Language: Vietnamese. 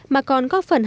mà còn góp phần hạng